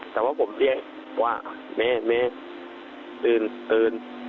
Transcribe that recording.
แต่ว่าผมเรียกว่าเมตื่น